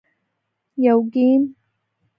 - یو ګېم 🎮